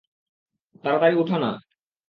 তাড়াতাড়ি উঠা না।